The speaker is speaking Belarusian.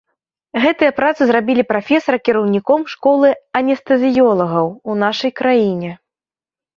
Гэтыя працы зрабілі прафесара кіраўніком школы анестэзіёлагаў ў нашай краіне.